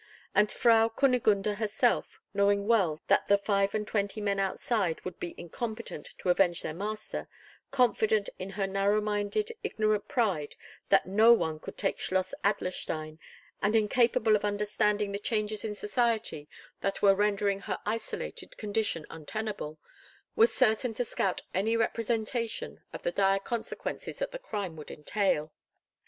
And Frau Kunigunde herself, knowing well that the five and twenty men outside would be incompetent to avenge their master, confident in her narrow minded, ignorant pride that no one could take Schloss Adlerstein, and incapable of understanding the changes in society that were rendering her isolated condition untenable, was certain to scout any representation of the dire consequences that the crime would entail.